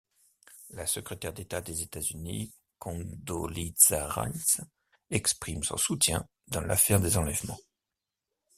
La secrétaire d'État des États-Unis, Condoleezza Rice, exprime son soutien dans l'affaire des enlèvements.